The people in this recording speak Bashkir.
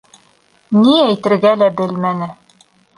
Ни әйтергә лә белмәне.